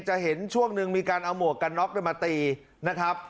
จะเห็นช่วงหนึ่งมีการเอาหมวกกันน็อกมาตีนะครับ